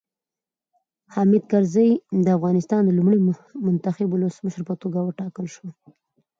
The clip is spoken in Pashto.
حامد کرزی د افغانستان د لومړي منتخب ولسمشر په توګه وټاکل شو.